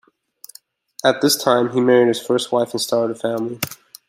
At this time he married his first wife and started a family.